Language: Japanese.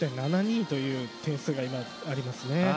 ２０．７２という点数がありますね。